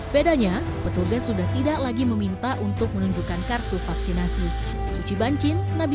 bedanya petugas sudah tidak lagi meminta untuk menunjukkan kartu vaksinasi